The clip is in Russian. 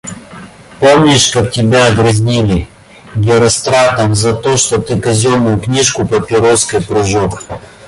— Помнишь, как тебя дразнили? Геростратом за то, что ты казенную книжку папироской прожег.